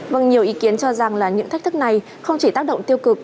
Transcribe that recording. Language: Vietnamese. vâng nhiều ý kiến cho rằng là những thách thức này không chỉ tác động tiêu cực